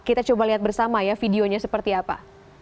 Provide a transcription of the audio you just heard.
kita coba lihat bersama ya videonya seperti apa